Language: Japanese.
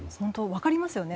分かりますよね。